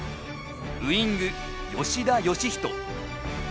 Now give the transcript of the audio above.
ウイング、吉田義人。